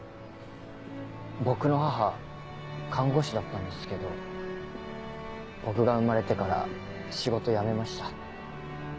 僕の母看護師だったんですけど僕が生まれてから仕事辞めました。